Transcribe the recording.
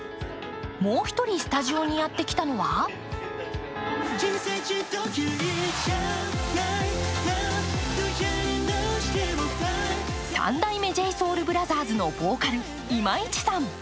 もう一人スタジオにやってきたのは三代目ＪＳＯＵＬＢＲＯＴＨＥＲＳのボーカル、今市さん。